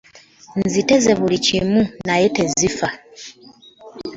Nziteze buli kimu naye tezifa.